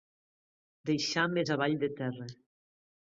Deixar més avall de terra.